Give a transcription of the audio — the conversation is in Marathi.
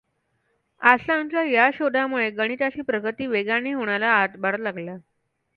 आसांच्या या शोधामुळे गणिताची प्रगती वेगाने होण्याला हातभार लागला.